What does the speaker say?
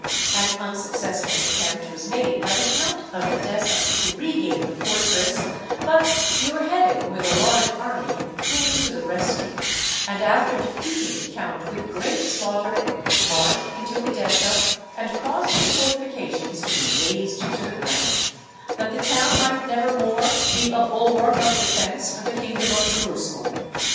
An unsuccessful attempt was made by the Count of Edessa to regain the fortress, but Nourheddin with a large army came to the rescue, and after defeating the count with great slaughter, marched into Edessa and caused its fortifications to be razed to the ground, that the town might never more be a bulwark of defence for the kingdom of Jerusalem.